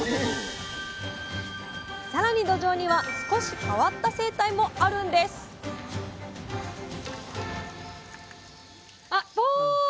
さらにどじょうには少し変わった生態もあるんですあっお！